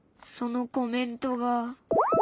そのコメントが。